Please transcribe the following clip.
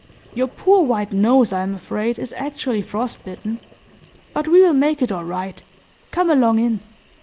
Your poor white nose, I am afraid, is actually frost bitten. But we will make it all right. Come along in."